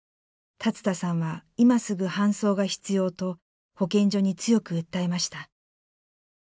龍田さんは今すぐ搬送が必要と保健所に強く訴えました。